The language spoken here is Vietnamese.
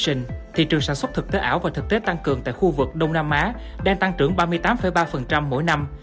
thị trường sản xuất thực tế ảo và thực tế tăng cường tại khu vực đông nam á đang tăng trưởng ba mươi tám ba mỗi năm